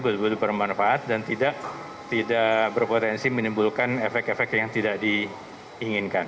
betul betul bermanfaat dan tidak berpotensi menimbulkan efek efek yang tidak diinginkan